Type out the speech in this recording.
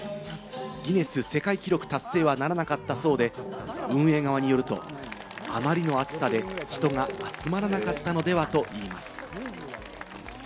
ギネス世界記録達成はならなかったそうで、運営側によると、あまりの暑さで人が集まらなかったのではといいます。